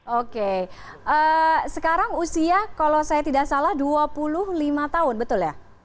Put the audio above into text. oke sekarang usia kalau saya tidak salah dua puluh lima tahun betul ya